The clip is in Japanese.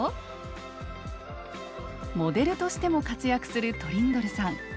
モデルとしても活躍するトリンドルさん。